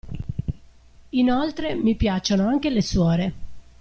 Inoltre, mi piacciono anche le suore!